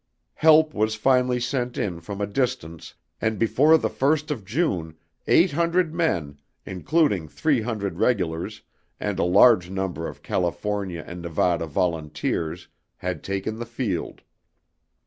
Help was finally sent in from a distance, and before the first of June, eight hundred men, including three hundred regulars and a large number of California and Nevada volunteers, had taken the field.